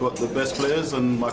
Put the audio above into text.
dan kita memiliki pemain yang terbaik